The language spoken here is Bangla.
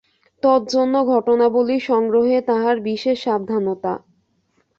তজ্জন্য ঘটনাবলী-সংগ্রহে তাঁহার বিশেষ সাবধানতা।